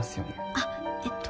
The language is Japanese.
あっえっと